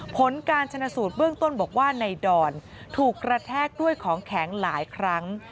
ผลการชนะสูตรเบื้องต้นบอกว่าในดอนถูกกระแทกด้วยของแข็งหลายครั้ง